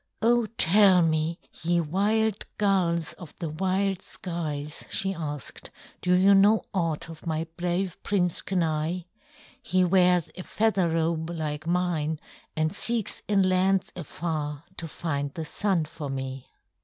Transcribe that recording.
"Oh, tell me, ye wild Gulls, of the wild skies," she asked, "do you know aught of my brave Prince Kenai? He wears a feather robe like mine and seeks in lands afar to find the Sun for me."